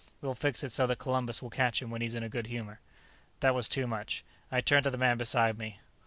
We'll fix it so that Columbus will catch him when he's in a good humor." That was too much. I turned to the man beside me.